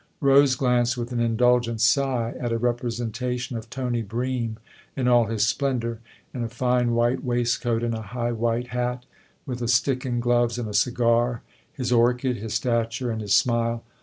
Rose glanced with an indulgent sigh at a representation of Tony Bream in all his splen dour, in a fine white waistcoat and a high white hat, with a stick and gloves and a cigar, his orchid, his stature and his smile.